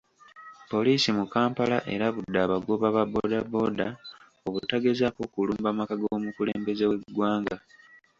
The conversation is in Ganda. Poliisi mu Kampala erabudde abagoba ba bbooda bbooda obutagezaako kulumba maka g'omukulembeze w'eggwanga.